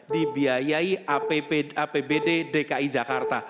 dibiayai apbd dki jakarta